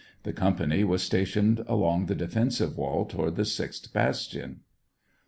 The company was stationed along, the defensive wall toward the sixth bastion.